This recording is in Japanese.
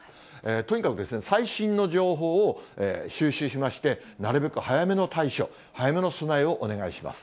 とにかく最新の情報を収集しまして、なるべく早めの対処、早めの備えをお願いします。